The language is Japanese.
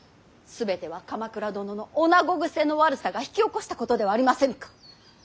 全ては鎌倉殿の女子癖の悪さが引き起こしたことではありませぬか。